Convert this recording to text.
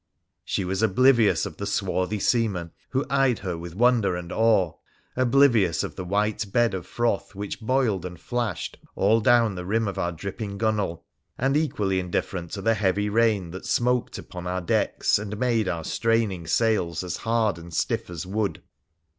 She was oblivious of the swarthy seamen, who eyed her with wonder and awe ; oblivious of the white bed of froth which boiled and flashed all down the rim of our dipping gunwale ; and equally indifferent to the heavy rain that smoked upon our decks, and made our straining sails as hard and stiff as wood.